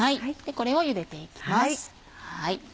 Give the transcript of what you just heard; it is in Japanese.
これをゆでていきます。